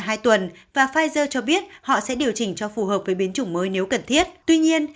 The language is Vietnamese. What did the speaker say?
trong hai tuần và pfizer cho biết họ sẽ điều chỉnh cho phù hợp với biến chủng mới nếu cần thiết tuy nhiên